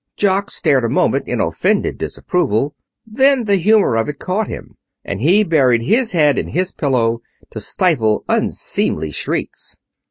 Jock stared a moment in offended disapproval. Then the humor of it caught him, and he buried his head in his pillow to stifle unseemly shrieks.